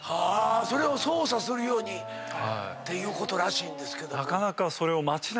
それを操作するようにっていうことらしいんですけども。